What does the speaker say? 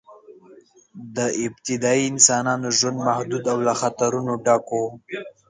د ابتدایي انسانانو ژوند محدود او له خطرونو ډک و.